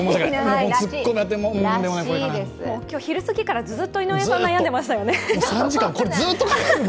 昼過ぎからずっと井上さん迷ってましたよね。